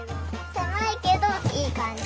せまいけどいいかんじ。